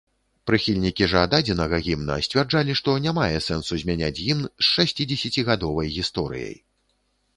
Прыхільнікі жа дадзенага гімна сцвярджалі, што не мае сэнсу змяняць гімн з шасцідзесяцігадовай гісторыяй.